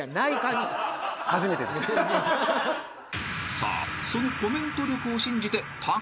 ［さあそのコメント力を信じて橋名人！］